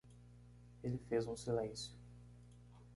Ele fez um silêncio.